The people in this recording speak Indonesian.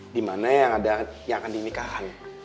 dimana yang akan dinikahkan